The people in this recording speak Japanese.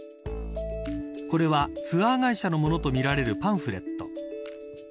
これはツアー会社のものとみられるパンフレット。